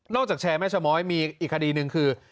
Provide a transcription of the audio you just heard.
จากแชร์แม่ชะม้อยมีอีกคดีหนึ่งคือ